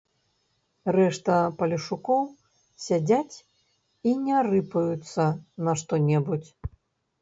Рэшта палешукоў сядзяць і не рыпаюцца на што-небудзь.